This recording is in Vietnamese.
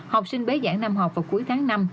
học sinh bế giảng năm học vào cuối tháng năm